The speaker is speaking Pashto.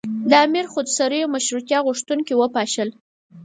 د امیر خودسریو مشروطیه غوښتونکي وپاشل.